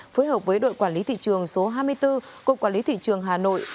phối hợp với đội quản lý thị trường số hai mươi bốn cục quản lý thị trường hà nội